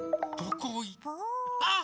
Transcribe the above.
あっ！